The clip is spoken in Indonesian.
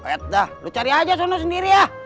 eh dah lo cari aja sono sendiri ya